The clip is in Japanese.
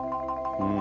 うん！